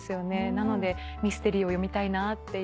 なのでミステリーを読みたいなっていう。